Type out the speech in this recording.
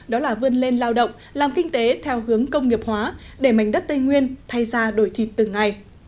đó là vươn lên lao động làm kinh tế theo hướng công nghiệp hóa để mảnh đất tây nguyên thay ra đổi thịt từng ngày